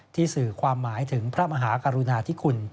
สื่อความหมายถึงพระมหากรุณาธิคุณ